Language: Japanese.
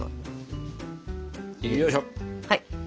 はい。